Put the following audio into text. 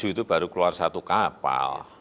dua ratus tujuh itu baru keluar satu kapal